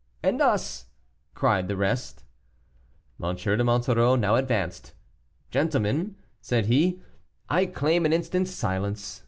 "And us!" cried the rest. M. de Monsoreau now advanced. "Gentlemen," said he, "I claim an instant's silence.